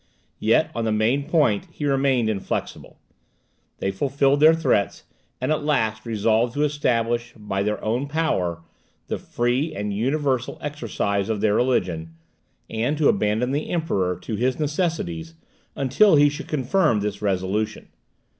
Yet on the main point he remained inflexible. They fulfilled their threats, and at last resolved to establish, by their own power, the free and universal exercise of their religion, and to abandon the Emperor to his necessities until he should confirm this resolution.